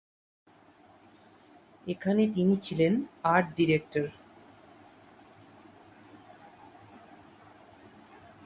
এখানে তিনি ছিলেন আর্ট ডিরেক্টর।